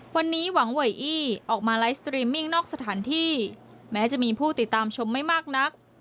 วันนี้หวังเวยอี้ออกมาไลฟ์สตรีมมิ่งนอกสถานที่แม้จะมีผู้ติดตามชมไม่มากนัก